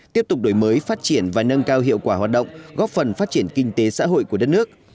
tiếp tục đổi mới phát triển và nâng cao hiệu quả hoạt động góp phần phát triển kinh tế xã hội của đất nước